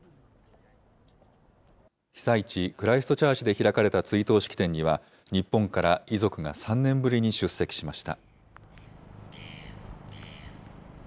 被災地、クライストチャーチで開かれた追悼式典には、日本から遺族が３年ぶりに出席しました。